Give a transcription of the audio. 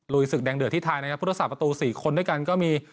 ศึกแดงเดือดที่ไทยนะครับพุทธศาสประตู๔คนด้วยกันก็มี